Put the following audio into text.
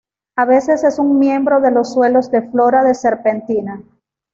A veces es un miembro de los suelos de flora de serpentina.